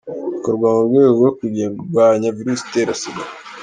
Bikorwa mu rwego rwo kurwanya virusi itera Sida.